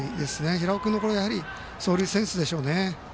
平尾君の走塁センスでしょうね。